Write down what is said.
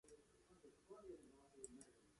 Luksofors, Eiroparlamenta vēlēšanas, sekotāji seko.